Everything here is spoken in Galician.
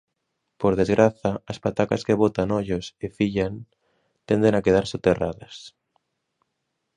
Por desgraza, as patacas que botan ollos e fillan tenden a quedar soterradas.